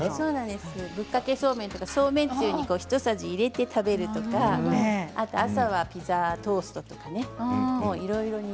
ぶっかけそうめんそうめんつゆに１さじ入れて食べるとか朝はピザトーストとかねいろいろに。